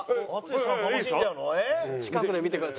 近くで見てください。